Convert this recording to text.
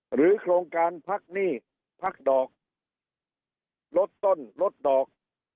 โครงการพักหนี้พักดอกลดต้นลดดอก